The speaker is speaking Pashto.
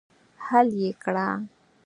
حل یې کړه.